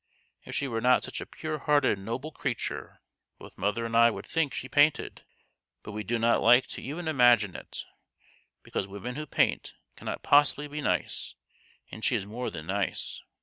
If she were not such a pure hearted noble creature both mother and I would think she painted ; but we do not like to even imagine it, because women who paint cannot possibly be nice and she is more than nice